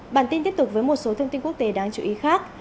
bản tin tiếp tục với một số thông tin quốc tế đáng chú ý khác